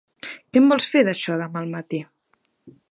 Què en vols fer d'això demà al matí?